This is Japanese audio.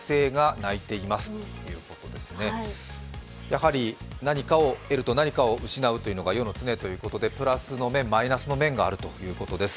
やはり何かを得ると何かを失うというのが世の常ということでプラスの面、マイナスの面があるということです。